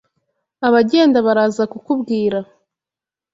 Abagenda baraza kukubwira